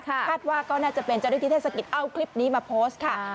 คาดว่าก็น่าจะเป็นเจ้าหน้าที่เทศกิจเอาคลิปนี้มาโพสต์ค่ะ